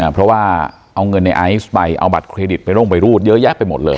เพราะว่าเอาเงินในไอซ์ไปเอาบัตรเครดิตไปร่งไปรูดเยอะแยะไปหมดเลย